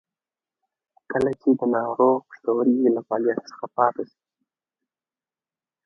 کله چې د ناروغ پښتورګي له فعالیت څخه پاتې شي.